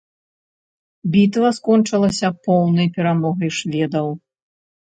Бітва скончылася поўнай перамогай шведаў.